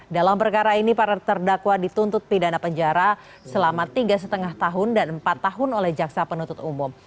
dalam perkara ini para terdakwa dituntut pidana penjara selama tiga lima tahun dan empat tahun oleh jaksa penuntut umum